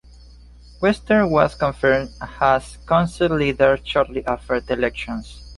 Western was confirmed as Council Leader shortly after the elections.